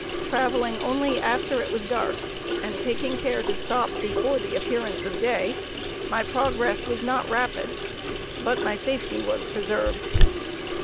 Traveling only after it was dark, and taking care to stop before the appearance of day, my progress was not rapid, but my safety was preserved.